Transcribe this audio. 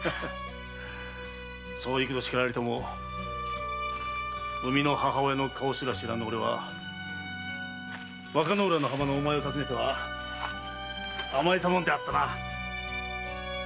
そう幾度叱られても産みの母親の顔すら知らぬ俺は和歌浦の浜のおまえを訪ねては甘えたものであったな！